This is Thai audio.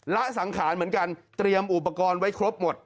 ละสังขารเหมือนกันเตรียมอุปกรณ์ไว้ครบหมด